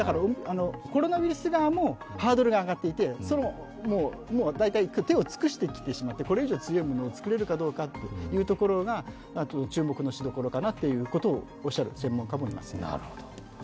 だから、コロナウイルス側もハードルが上がっていて、大体手を尽くしてきてしまってこれ以上強いものをつくれるかどうかというところが注目のしどころかなとおっしゃる専門家もいます。